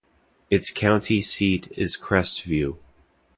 Its county seat is Crestview.